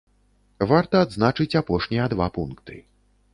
Варта адзначыць апошнія два пункты.